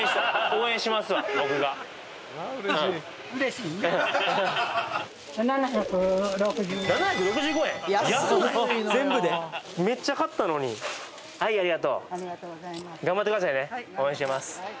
応援してます。